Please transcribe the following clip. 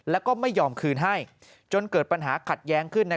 แล้วก็ไม่ยอมคืนให้จนเกิดปัญหาขัดแย้งขึ้น